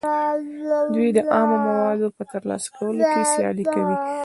دوی د خامو موادو په ترلاسه کولو کې سیالي کوي